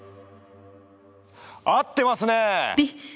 合ってますね！